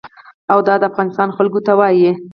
او د افغانستان خلکو ته وايي.